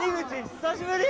久しぶり。